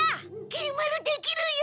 きり丸できるよ！